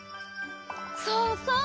そうそう！